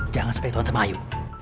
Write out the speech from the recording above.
jangan seperti itu sama ayu